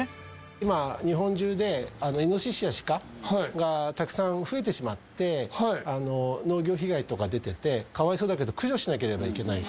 今日本中でイノシシやシカがたくさん増えてしまって農業被害とか出てて可哀想だけど駆除しなければいけない。